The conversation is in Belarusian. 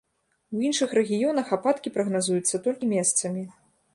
У іншых рэгіёнах ападкі прагназуюцца толькі месцамі.